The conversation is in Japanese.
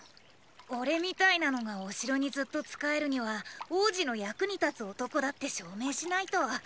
俺みたいなのがお城にずっと仕えるには王子の役に立つ男だって証明しないと。